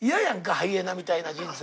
ハイエナみたいな人生。